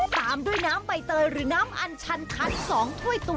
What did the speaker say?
ตามด้วยน้ำใบเตยหรือน้ำอัญชันคัน๒บาท